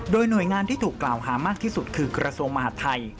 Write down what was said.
โดยหน่วยงานที่ถูกกล่าวหามากที่สุดคือกระทรวงมหาดไทย